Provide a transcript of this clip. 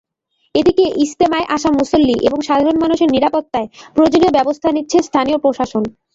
এদিকে ইজতেমায় আসা মুসল্লি এবং সাধারণ মানুষের নিরাপত্তায় প্রয়োজনীয় ব্যবস্থা নিচ্ছে স্থানীয় প্রশাসন।